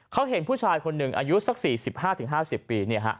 เขาเห็นผู้ชายคนหนึ่งอายุสัก๔๕๕๐ปี